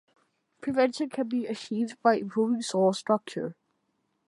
Prevention can be achieved by improving soil structure.